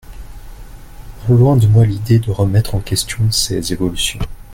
Loin de moi l’idée de remettre en question ces évolutions.